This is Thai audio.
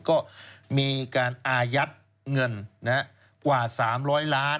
ก็มีการอายัดเงินกว่า๓๐๐ล้าน